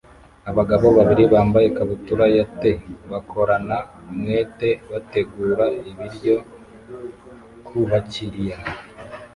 Abagabo babiri bambaye ikabutura ya tee bakorana umwete bategura ibiryo kubakiriya